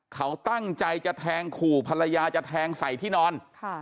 เขาตั้งใจจะแทงขู่ภรรยาจะแทงใส่ที่นอน